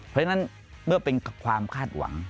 เพราะฉะนั้นเมื่อเป็นความคาดหวัง